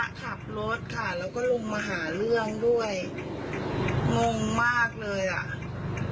ขับรถค่ะแล้วก็ลงมาหาเรื่องด้วยงงมากเลยอ่ะ